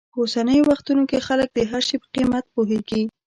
په اوسنیو وختونو کې خلک د هر شي په قیمت پوهېږي.